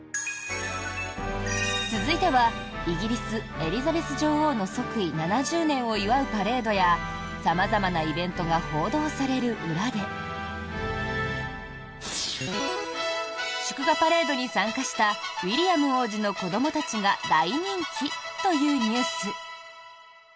続いてはイギリス、エリザベス女王の即位７０年を祝うパレードや様々なイベントが報道される裏で祝賀パレードに参加したウィリアム王子の子どもたちが大人気というニュース。